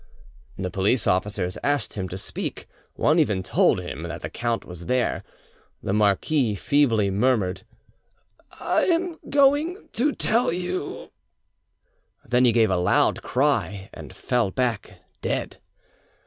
The police officers asked him to speak; one even told him that the count was there. The marquis feebly murmured— "I am going to tell you——" Then he gave a loud cry and fell back dead.